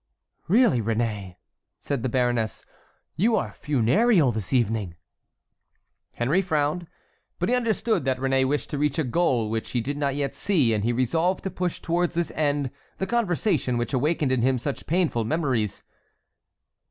"Really, Réné," said the baroness, "you are funereal this evening." Henry frowned, but he understood that Réné wished to reach a goal which he did not yet see, and he resolved to push towards this end the conversation which awakened in him such painful memories.